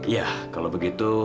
ya kalau begitu